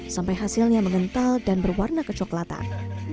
sampai hasilnya mengental dan berwarna kecoklatan